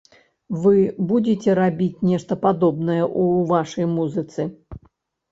Вы будзеце рабіць нешта падобнае ў вашай музыцы?